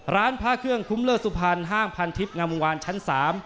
ร้านพระเครื่องคุ้มเลิศสุพรรณห้างพันทิพย์งามวงวานชั้น๓